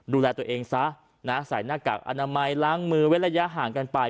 ดูแลตัวเองซะนะใส่หน้ากากอนามัยล้างมือเว้นระยะห่างกันไป